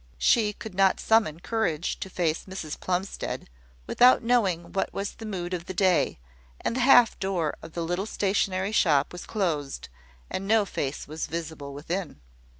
She could not summon courage to face Mrs Plumstead, without knowing what was the mood of the day; and the half door of the little stationery shop was closed, and no face was visible within.